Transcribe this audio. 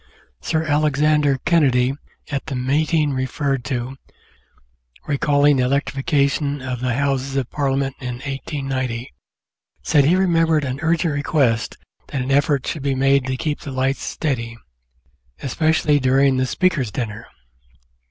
Sir Alexander Kennedy, at the meeting referred to, recalling the electrification of the Houses of Parliament in 1890, said he remembered an urgent request that an effort should be made to keep the lights steady, "especially during the Speaker's dinner."